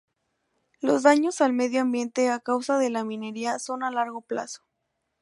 Los daños al medio ambiente a causa de la minería son a largo plazo.